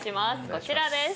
こちらです。